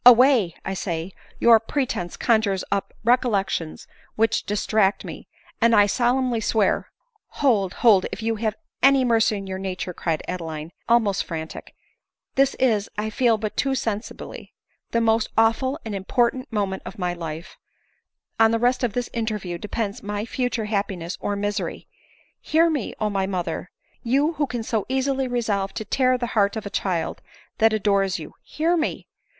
Away! I say; your presence conjures up recollections which distract me, and I solemnly swear " Hold, hold, if you have any mercy in your nature," cried Adeline almost frantic ; "this is, I feel but too sen sibly, the most awful and important moment of my life ; on the result of this interview depends my future happi ness or misery. Hear me, O my mother ! You, who can so easily resolve to tear the heart of a child that adores you, hear me